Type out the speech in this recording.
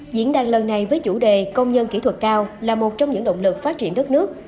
diễn đàn lần này với chủ đề công nhân kỹ thuật cao là một trong những động lực phát triển đất nước